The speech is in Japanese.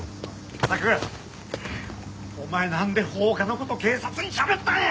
賢作お前なんで放火の事警察にしゃべったんや！